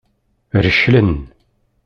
Reclen.